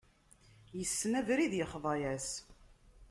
Issen abrid, ixḍa-yas.